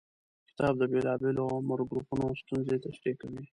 کتاب د بېلابېلو عمر ګروپونو ستونزې تشریح کوي.